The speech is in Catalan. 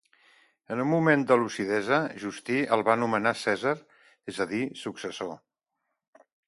En un moment de lucidesa, Justí el va nomenar cèsar, és a dir, successor.